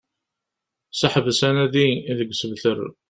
Seḥbes anadi deg usebter